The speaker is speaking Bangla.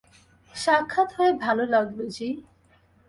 সাক্ষাৎ হয়ে ভালো লাগল, যী।